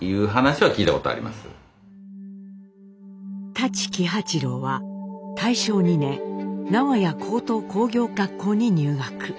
舘喜八郎は大正２年名古屋高等工業学校に入学。